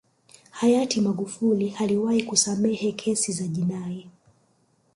hayati magufuli aliwahi kusamehe kesi za jinai